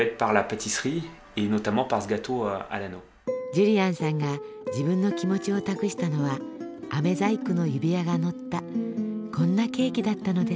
ジュリアンさんが自分の気持ちを託したのは飴細工の指輪が載ったこんなケーキだったのです。